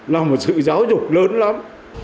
là một sự giáo dục lớn lắm